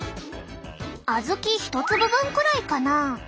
小豆１粒分くらいかな。